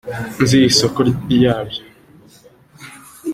nzi isoko yabyo.